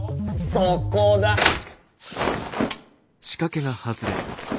そこだッ！